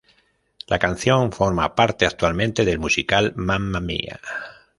La canción forma parte actualmente del musical "Mamma Mia!